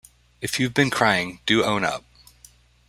If you’ve been crying do own up.